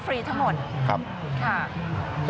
อันนี้สมบูรณ์ฟรีข้างหมดค่ะ